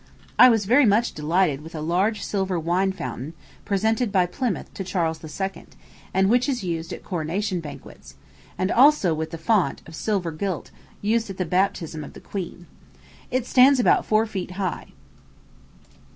I was very much delighted with a large silver wine fountain, presented by Plymouth to Charles II., and which is used at coronation banquets; and also with the font, of silver gilt; used at the baptism of the Queen. It stands about four feet high.